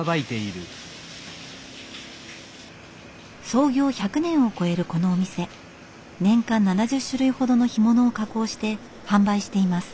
創業１００年を超えるこのお店年間７０種類ほどの干物を加工して販売しています。